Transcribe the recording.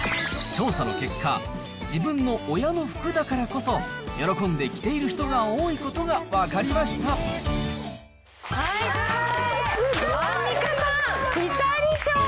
調査の結果、自分の親の服だからこそ喜んで着ている人が多いことが分かりましということで、アンミカさん、ピタリ賞。